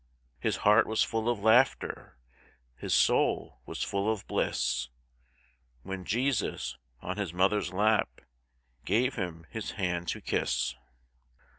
His heart was full of laughter, His soul was full of bliss When Jesus, on His Mother's lap, Gave him His hand to kiss.